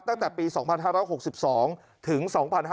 ตั้งแต่ปี๒๕๖๒ถึง๒๕๕๙